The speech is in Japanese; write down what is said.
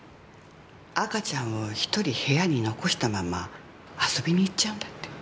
赤ちゃんを一人部屋に残したまんま遊びに行っちゃうんだって。